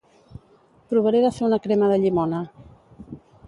Provaré de fer una crema de llimona